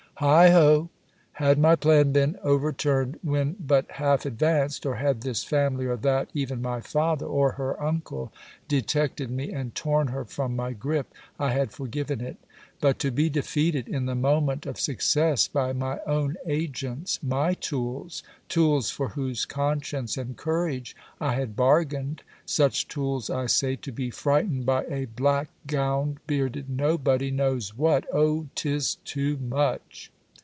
Heigh ho! Had my plan been over turned when but half advanced, or had this family or that, even my father, or her uncle, detected me and torn her from my gripe I had forgiven it. But to be defeated in the moment of success by my own agents, my tools, tools for whose conscience and courage I had bargained such tools I say, to be frightened by a black gowned, bearded, nobody knows what oh 'tis too much!